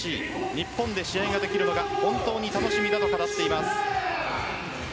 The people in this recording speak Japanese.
日本で試合ができるのが本当に楽しみだと語っています。